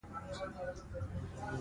د ځواب پر اساس روانېدل